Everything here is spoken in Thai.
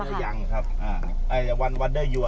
พอแล้ว